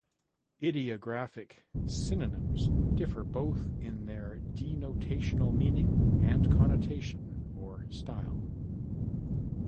Ideographic synonyms differ both in their denotational meaning and connotation or style.